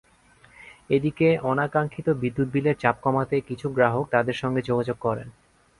এদিকে, অনাকাঙ্ক্ষিত বিদ্যুৎ বিলের চাপ কমাতে কিছু গ্রাহক তাঁদের সঙ্গে যোগাযোগ করেন।